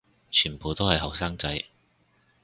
全部都係後生仔